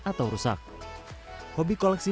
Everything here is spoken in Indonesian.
atau rusak hobi koleksi